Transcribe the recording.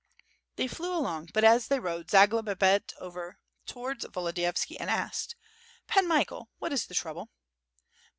They flew along; but as they rode Zagloba bent over to wards Volodiyovski, and asked: "Pan Michael, what is the trouble?"